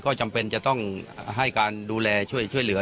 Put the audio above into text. ก็จำเป็นจะต้องให้การดูแลช่วยเหลือ